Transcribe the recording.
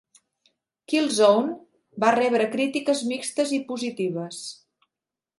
"Killzone" va rebre crítiques mixtes i positives.